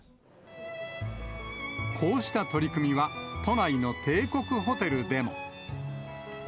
こうした取り組みは、都内の帝国ホテルでも。